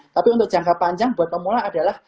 tapi untuk jangka panjang buat pemula adalah